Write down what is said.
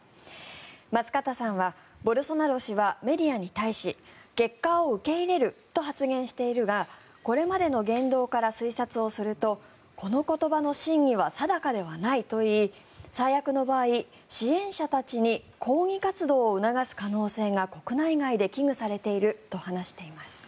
舛方さんはボルソナロ氏はメディアに対し結果を受け入れると発言しているがこれまでの言動から推察をするとこの言葉の真偽は定かではないといい最悪の場合、支援者たちに抗議活動を促す可能性が国内外で危惧されていると話しています。